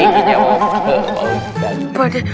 eh dikawal begini kayak paling motor